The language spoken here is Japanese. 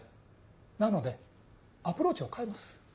なのでアプローチを変えます。